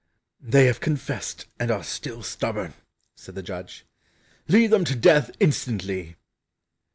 "They have confessed, and are still stubborn," said the judge, "lead them to death instantly."